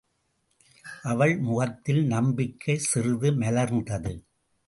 அவள் முகத்தில் நம்பிக்கை சிறிது மலர்ந்தது.